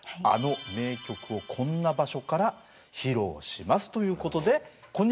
あの名曲をこんな場所から披露しますということでこんにちは！